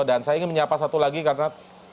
dan saya ingin menyapa satu lagi karena sudah tiba tiba